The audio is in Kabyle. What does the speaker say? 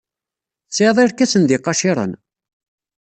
Tesɛid irkasen ed yiqaciren?